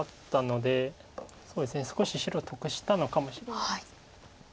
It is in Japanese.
そうですね少し白得したのかもしれないです。